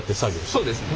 そうですね。